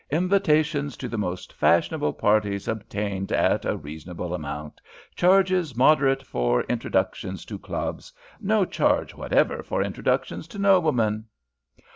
Invitations to the most fashionable parties obtained at a reasonable amount. Charges moderate for introductions to Clubs. No charge whatever for introductions to noblemen.'